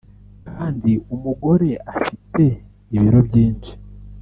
kandi umugore afite ibiro byinshi